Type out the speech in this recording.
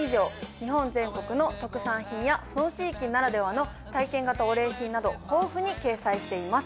日本全国の特産品やその地域ならではの体験型お礼品など豊富に掲載しています。